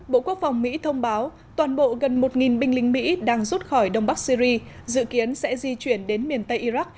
bộ quốc phòng mỹ thông báo toàn bộ gần một binh lính mỹ đang rút khỏi đông bắc syri dự kiến sẽ di chuyển đến miền tây iraq